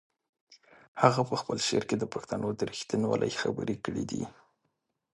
هغه په خپل شعر کې د پښتنو د رښتینولۍ خبرې کړې دي.